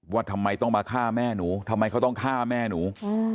ว่าทำไมต้องมาฆ่าแม่หนูทำไมเขาต้องฆ่าแม่หนู